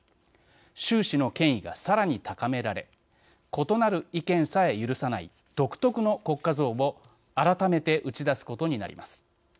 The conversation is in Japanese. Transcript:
習氏の権威がさらに高められ異なる意見さえ許さない独特の国家像を改めて打ち出すことになります。